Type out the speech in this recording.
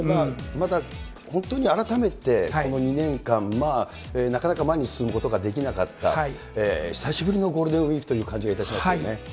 また本当に改めてこの２年間、なかなか前に進むことができなかった、久しぶりのゴールデンウィークという感じがいたしますよね。